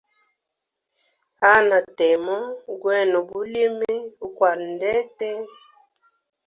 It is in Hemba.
Hanha temo gwene ubulimi uklwala ndete.